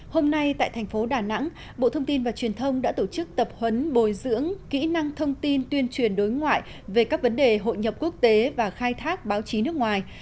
hôm nay tại thành phố đà nẵng bộ thông tin và truyền thông đã tổ chức tập huấn bồi dưỡng kỹ năng thông tin tuyên truyền đối ngoại về các vấn đề hội nhập quốc tế và khai thác báo chí nước ngoài